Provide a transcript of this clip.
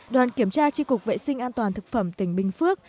đoàn kiểm tra tri cục vệ sinh an toàn thực phẩm tỉnh bình phước